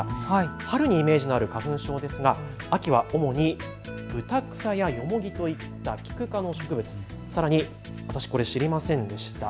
春にイメージがある花粉症ですが秋は主にブタクサやヨモギといったキク科の植物、さらに私、これ知りませんでした。